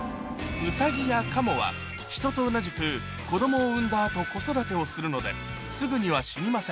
ウサギやカモはヒトと同じく子供を産んだ後子育てをするのですぐには死にません